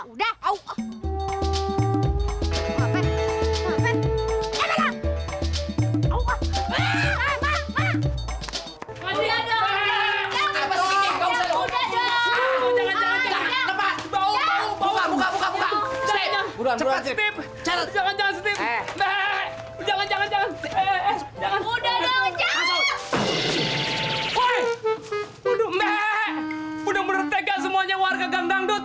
udah bener tega semuanya warga ganggang dut